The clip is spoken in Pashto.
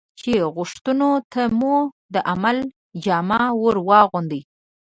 چې غوښتنو ته مو د عمل جامه ور واغوندي.